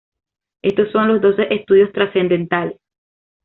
Éstos son los doce "Estudios trascendentales".